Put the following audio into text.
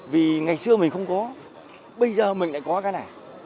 vì ngày xưa mình không có bây giờ mình lại có cái này